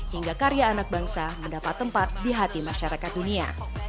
hingga karya anak bangsa mendapat tempat di hati masyarakat dunia